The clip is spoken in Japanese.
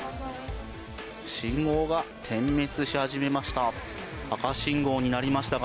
信号が点滅し始めました。